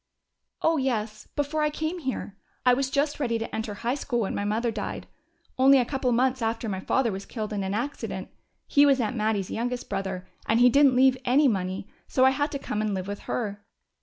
"Oh, yes before I came here. I was just ready to enter high school when mother died only a couple of months after my father was killed in an accident. He was Aunt Mattie's youngest brother. And he didn't leave any money, so I had to come and live with her."